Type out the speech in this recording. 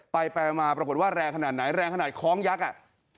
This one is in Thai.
ไปไปมาปรากฏว่าแรงขนาดไหนแรงขนาดคล้องยักษ์อ่ะ